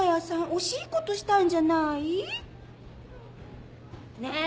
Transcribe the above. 惜しいことしたんじゃなぁい？ねえ？